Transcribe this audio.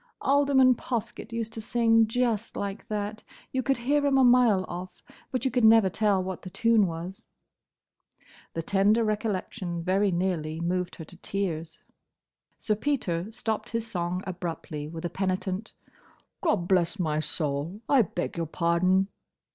"Alderman Poskett used to sing just like that. You could hear him a mile off, but you could never tell what the tune was." The tender recollection very nearly moved her to tears. Sir Peter stopped his song abruptly, with a penitent, "Gobblessmysoul! I beg your pardon!"